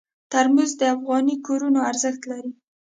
ترموز د افغاني کورونو ارزښت لري.